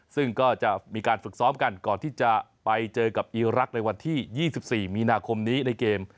ซึ่งก็จะมีการฝึกซ้อมกันก่อนที่จะไปเจอกับอีรักษ์ในวันที่๒๔มีนาคมนี้ในเกม